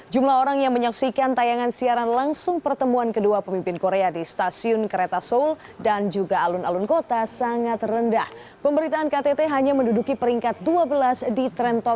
jumlah orang yang menyaksikan tayangan siaran langsung pertemuan kedua pemimpin korea di stasiun kereta